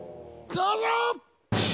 どうぞ！